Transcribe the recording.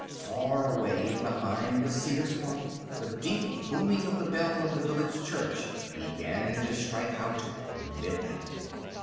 Far away behind the cedar swamp the deep booming of the bell of the village church began to strike out midnight.